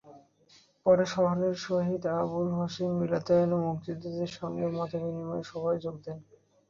পরে শহরের শহীদ আবুল হোসেন মিলনায়তনে মুক্তিযোদ্ধাদের সঙ্গে মতবিনিময় সভায় যোগ দেন।